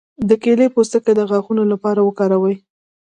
د کیلې پوستکی د غاښونو لپاره وکاروئ